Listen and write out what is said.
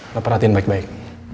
lo perhatiin baik baik